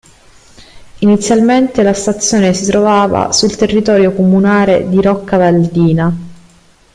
Inizialmente la stazione si trovava sul territorio comunale di Roccavaldina.